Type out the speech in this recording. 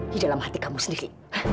di dalam hati kamu sendiri